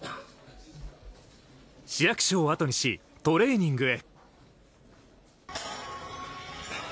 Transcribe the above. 市役所をあとにし、トレーニングへ。